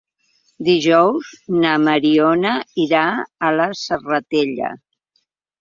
Dijous na Mariona irà a la Serratella.